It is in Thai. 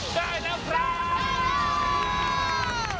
ได้แล้วครับ